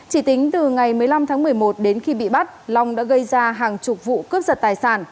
chỉ tính từ ngày một mươi năm tháng một mươi một đến khi bị bắt long đã gây ra hàng chục vụ cướp giật tài sản